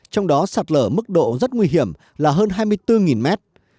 trong đó sạt lở mức độ rất nguy hiểm là hơn hai mươi bốn mét